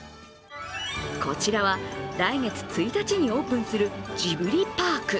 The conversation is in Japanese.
こちらは、来月１日にオープンするジブリパーク。